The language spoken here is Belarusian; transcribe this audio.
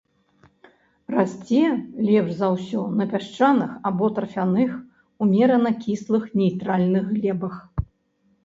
Расце лепш за ўсё на пясчаных або тарфяных, умерана кіслых нейтральных глебах.